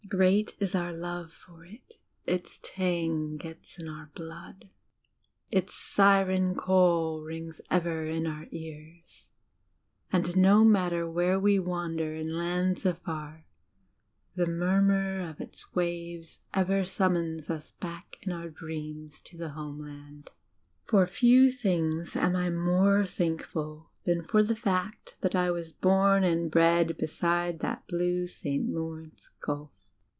Great is our love for it; its tang gets into our blood: its siren call rings ever in our ears; and no matter where we wander in lands afar, the murmur of its waves ever sum mons us back in our dreams to the homeland. For few things am I more thankful than for the fact that I was bom and bred beside that blue St. Lawrence Gulf.